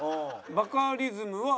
バカリズムは。